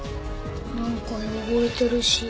なんか汚れてるし。